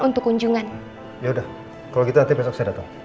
untuk kunjungan yaudah kalau gitu nanti besok saya datang